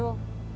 gue sih maklum